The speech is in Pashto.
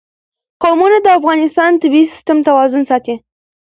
قومونه د افغانستان د طبعي سیسټم توازن ساتي.